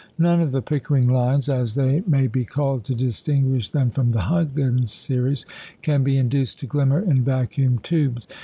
None of the "Pickering lines" (as they may be called to distinguish them from the "Huggins series") can be induced to glimmer in vacuum tubes.